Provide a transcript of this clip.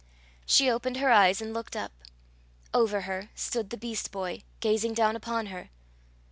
She opened her eyes and looked up. Over her stood the beast boy, gazing down upon her!